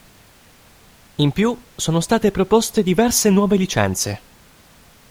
In più, sono state proposte diverse nuove licenze.